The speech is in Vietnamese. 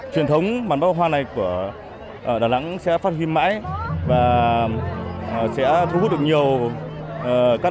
truyền thống màn bác hoa này của đà nẵng sẽ phát huyên mãi và sẽ thu hút được nhiều các